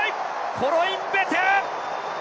コロインベテ！